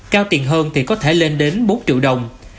cao tiền hơn thì có thể lên đến bốn triệu đồng